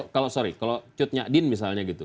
kalau sorry kalau cut nyak din misalnya gitu